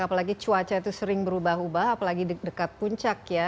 apalagi cuaca itu sering berubah ubah apalagi dekat puncak ya